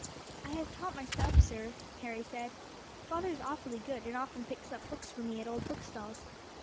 "I have taught myself, sir," Harry said. "Father is awfully good, and often picks up books for me at old bookstalls.